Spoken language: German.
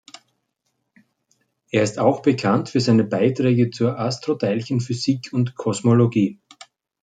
Er ist auch bekannt für seine Beiträge zur Astroteilchenphysik und Kosmologie.